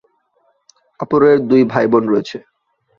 কাপুরের দুই ভাইবোন রয়েছে।